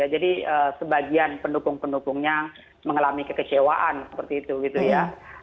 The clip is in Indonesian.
jadi sebagian pendukung pendukungnya mengalami kekecewaan seperti itu gitu ya